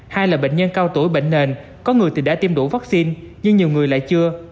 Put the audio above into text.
hai là bệnh nhân cao tuổi bệnh nền có người thì đã tiêm đủ vaccine nhưng nhiều người lại chưa